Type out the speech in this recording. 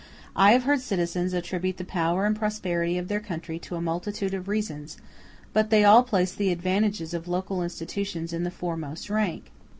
I have heard citizens attribute the power and prosperity of their country to a multitude of reasons, but they all placed the advantages of local institutions in the foremost rank.